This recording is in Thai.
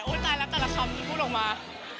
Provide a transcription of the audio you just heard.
โอ้ยตายแล้วแต่ละคอมพูดลงมา